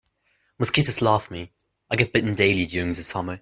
Mosquitoes love me, I get bitten daily during the summer.